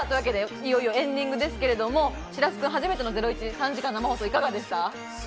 いよいよエンディングですけれど、白洲君、初めての『ゼロイチ』、３時間生放送いかがでした？